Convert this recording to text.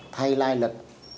thay lai lịch